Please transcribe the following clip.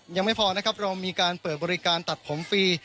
ยังไม่พอนะครับเรามีการเปิดบริการตัดผมฟรี